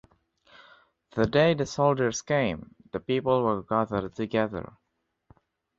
The day the soldiers came, the people were gathered together.